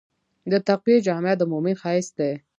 د تقوی جامه د مؤمن ښایست دی.